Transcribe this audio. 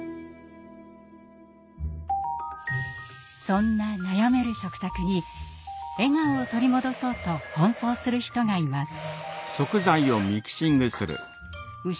そんな悩める食卓に笑顔を取り戻そうと奔走する人がいます。